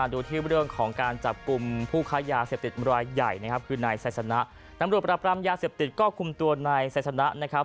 ดูที่เรื่องของการจับกลุ่มผู้ค้ายาเสพติดรายใหญ่นะครับคือนายไซสนะตำรวจปราบรามยาเสพติดก็คุมตัวนายไซสนะนะครับ